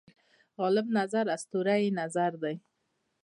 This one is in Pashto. غالب نظر اسطوره یي نظر دی.